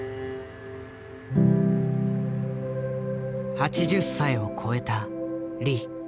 ８０歳を越えたリ。